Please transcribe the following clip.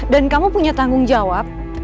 dan kamu punya tanggung jawab